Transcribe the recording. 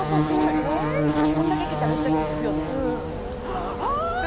えこんだけ切ったら絶対くっつくよねはあ！